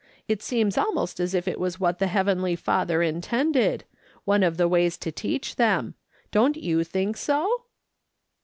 It seems almost as if it was what the Heavenly Father in tended — one of the ways to teach them. Don't you think so